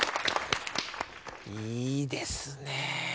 いいですね。